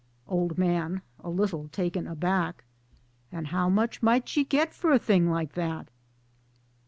Old Man (a little taken aback) :" And how much might you get for a thing like that?